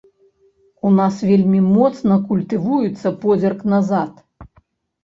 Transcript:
У нас вельмі моцна культывуецца позірк назад.